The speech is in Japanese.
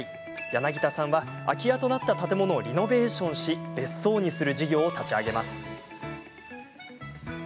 柳田さんは空き家となった建物をリノベーションし別荘にする事業を立ち上げます。